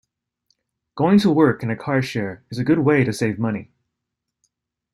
Going to work in a car share is a good way to save money.